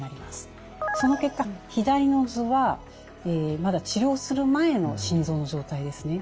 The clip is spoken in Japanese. その結果左の図はまだ治療する前の心臓の状態ですね。